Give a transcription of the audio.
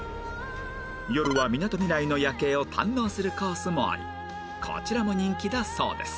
夜はみなとみらいの夜景を堪能するコースもありこちらも人気だそうです